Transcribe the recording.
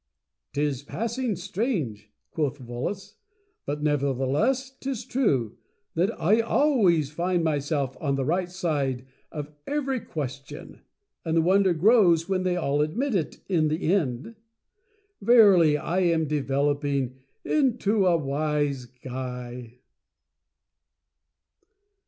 " Tis passing Strange/' quoth Volos, "but nevertheless 'tis true — that / al ways find myself on the Right Side of Every Question. And the wonder grows when they all admit it in the end. Verily, am I developing into a Wise Guy!"